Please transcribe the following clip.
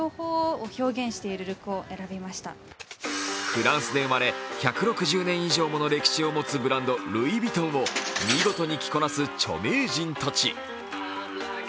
フランスで生まれ１６０年以上もの歴史を持つブランド、ルイ・ヴィトンを見事に着こなす著名人たち。